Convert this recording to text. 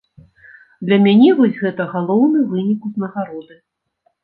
Для мяне вось гэта галоўны вынік узнагароды.